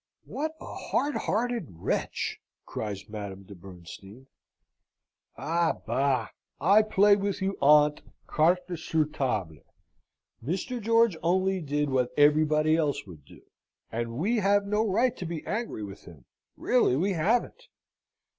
"What a hard hearted wretch!" cries Madame de Bernstein. "Ah, bah! I play with you, aunt, cartes sur table! Mr. George only did what everybody else would do; and we have no right to be angry with him, really we haven't.